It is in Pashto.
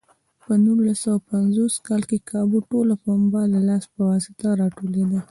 په نولس سوه پنځوس کال کې کابو ټوله پنبه د لاس په واسطه راټولېده.